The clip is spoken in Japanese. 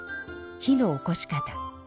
火のおこし方。